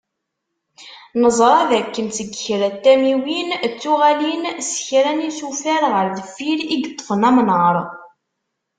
Neẓra d akken seg kra n tamiwin, d tuɣalin s kra n yisurifen ɣer deffir i yeṭṭfen amnaṛ.